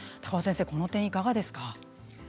高尾先生、この点はいかがですか。